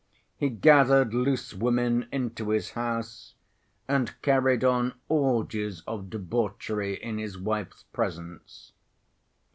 He gathered loose women into his house, and carried on orgies of debauchery in his wife's presence.